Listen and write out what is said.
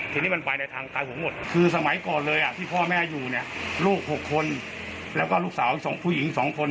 ที่พ่อแม่อยู่ลูก๖คนแล้วก็ลูกสาว๒ผู้หญิง๒คน